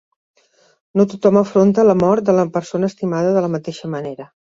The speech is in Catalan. No tothom afronta la mort de la persona estimada de la mateixa manera.